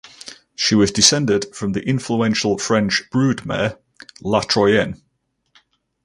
She was descended from the influential French broodmare La Troienne.